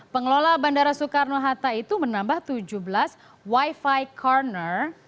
pengelola bandara soekarno hatta itu menambah tujuh belas wifi corner